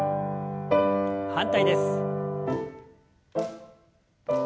反対です。